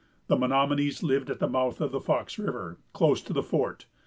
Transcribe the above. The Menomonies lived at the mouth of Fox River, close to the fort.